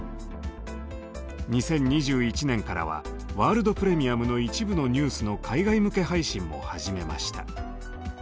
２０２１年からは「ワールド・プレミアム」の一部のニュースの海外向け配信も始めました。